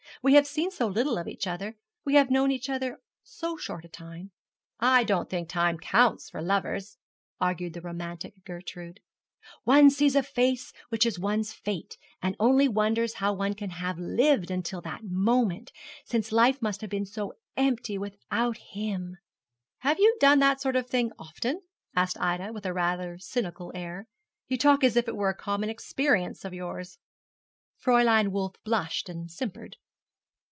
We have seen so little of each other; we have known each other so short a time.' 'I don't think time counts for lovers,' argued the romantic Gertrude. 'One sees a face which is one's fate, and only wonders how one can have lived until that moment, since life must have been so empty without him.' 'Have you done that sort of thing often?' asked Ida, with rather a cynical air. 'You talk as if it were a common experience of yours.' Fräulein Wolf blushed and simpered.